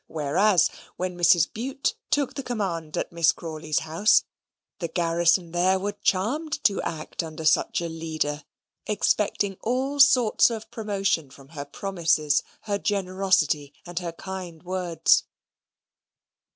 Whereas, when Mrs. Bute took the command at Miss Crawley's house, the garrison there were charmed to act under such a leader, expecting all sorts of promotion from her promises, her generosity, and her kind words.